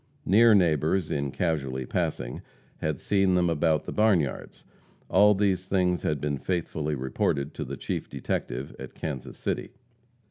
Near neighbors, in casually passing, had seen them about the barnyards. All these things had been faithfully reported to the chief detective at Kansas City.